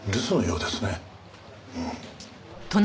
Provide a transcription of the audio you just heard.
うん。